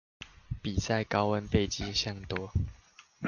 比在高倍鏡下多